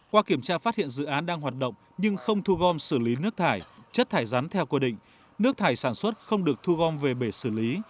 qua kiểm tra phát hiện dự án đang hoạt động nhưng không thu gom xử lý nước thải chất thải rắn theo quy định nước thải sản xuất không được thu gom về bể xử lý